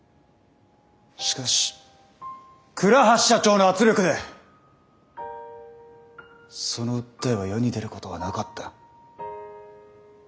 しかし倉橋社長の圧力でその訴えは世に出ることはなかった。